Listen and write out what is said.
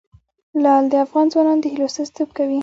لعل د افغان ځوانانو د هیلو استازیتوب کوي.